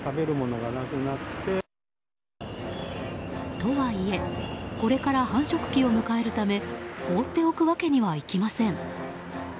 とはいえこれから繁殖期を迎えるため放っておくわけにはいきません。